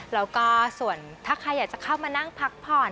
แล้วก็ส่วนถ้าใครอยากจะเข้ามานั่งพักผ่อน